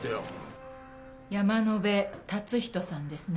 山野辺達仁さんですね？